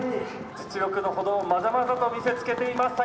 「実力のほどをまざまざと見せつけています